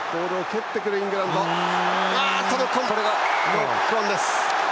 ノックオンです。